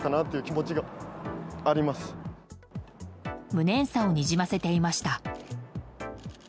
無念さをにじませていました。